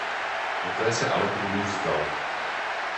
Poté se ale trůnu vzdal.